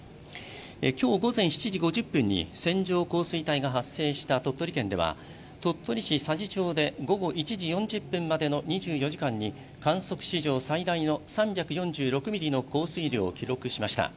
今日午前７時５０分に線状降水帯が発生した鳥取県では、鳥取市佐治町で午後１時４０分までの２４時間に、観測史上最大の３４６ミリの降水量を記録しました。